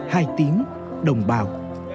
hai tiếng đồng bào